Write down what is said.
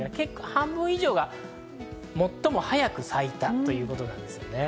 半分以上が最も早く咲いたということなんです。